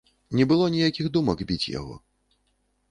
Не было ніякіх думак, біць яго.